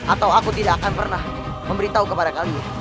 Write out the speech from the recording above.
atau aku tidak akan pernah memberitahu kepada kami